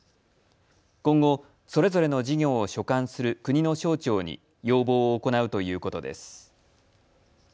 今後、それぞれの事業を所管する国の省庁に要望を行うということです。